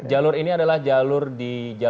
jalur ini adalah jalur di jalan